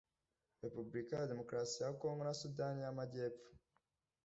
Repubulika ya Demokarasi ya Congo na Sudani y’Amajyepfo